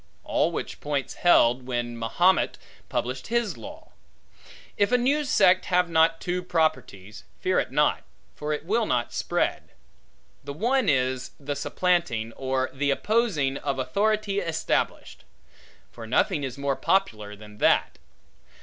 All which points held, when Mahomet published his law. If a new sect have not two properties, fear it not; for it will not spread. The one is the supplanting, or the opposing, of authority established; for nothing is more popular than that.